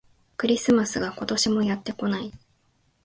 クリスマスが、今年もやってこない